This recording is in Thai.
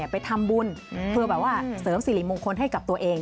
ไปทำบุญเพื่อแบบว่าเสริมสิริมงคลให้กับตัวเอง